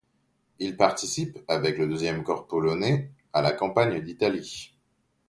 Il participe avec le Deuxième corps polonais à la Campagne d'Italie.